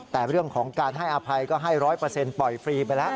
แต่เรื่องของการให้อภัยก็ให้๑๐๐ปล่อยฟรีไปแล้ว